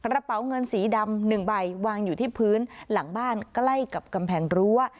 กระเป๋าเงินสีดำ๑ใบวางอยู่ที่พื้นหลังบ้านใกล้กับกำแพงรั้ว